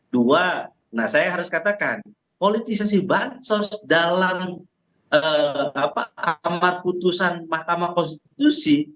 dua nah saya harus katakan politisasi bansos dalam amat putusan mahkamah konstitusi